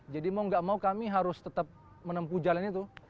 jadi mau gak mau kami harus tetap menempuh jalan itu